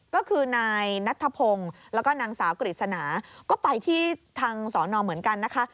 ก็คือนายนัทธพงศ์แล้วก็นางสาวกฤษณาก็ไปที่ทางสอนอเหมือนกันนะคะ